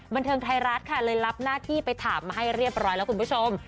บันเทิงไทยรัฐค่ะเลยรับหน้าที่ไปถามมาให้เรียบร้อยแล้วคุณผู้ชม